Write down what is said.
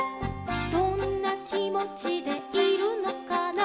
「どんなきもちでいるのかな」